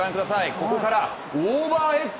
ここからオーバーヘッド。